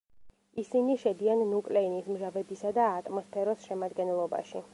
ისინი შედიან ნუკლეინის მჟავებისა და ატმოსფეროს შემადგენლობაში.